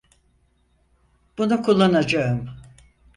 Bunu kullanacağım.